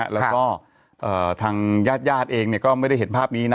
แล้วก็ทางญาติเองก็ไม่ได้เห็นภาพนี้นะ